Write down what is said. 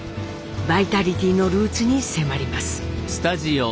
バイタリティーのルーツに迫ります。